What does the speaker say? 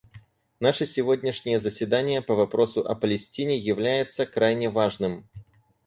Наше сегодняшнее заседание по вопросу о Палестине является крайне важным.